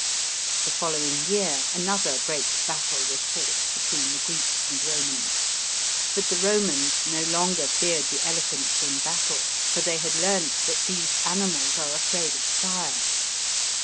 The following year another great battle was fought between the Greeks and Romans ; but the Romans no longer feared the elephants in battle, for they had learnt that these animals are afraid of fire.